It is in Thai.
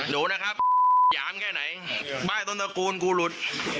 ดูนะครับย้ำแค่ไหนป้ายสนตกุลกูหลุด